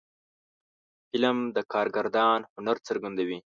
فلم د کارگردان هنر څرګندوي